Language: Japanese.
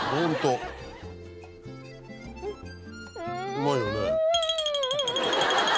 うまいよね。